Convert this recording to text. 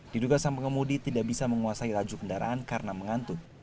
diduga sang pengemudi tidak bisa menguasai laju kendaraan karena mengantuk